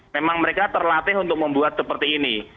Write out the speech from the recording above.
memang mereka terlatih untuk membuat seperti ini